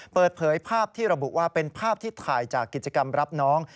เปิดเผยภาพที่ระบุว่าเป็นภาพที่ถ่ายจากกิจกรรมรับน้อง